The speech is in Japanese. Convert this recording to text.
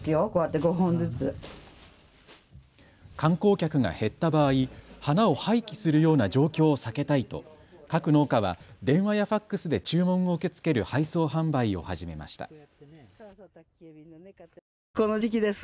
観光客が減った場合、花を廃棄するような状況を避けたいと各農家は電話やファックスで注文を受け付ける配送販売を始めました。